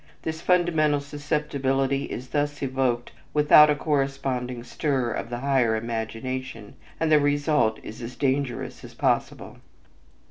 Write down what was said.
This fundamental susceptibility is thus evoked without a corresponding stir of the higher imagination, and the result is as dangerous as possible.